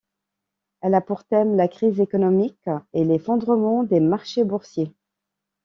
Elle a pour thème la crise économique et l'effondrement des marchés boursiers.